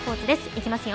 いきますよ。